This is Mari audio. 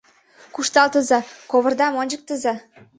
Кушталтыза, ковырадам ончыктыза.